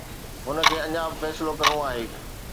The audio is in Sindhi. هن کي اڃا به فيصلو ڪرڻو آهي.